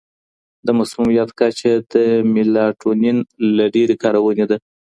د مسمومیت کچه د میلاټونین له ډېرې کارونې ده.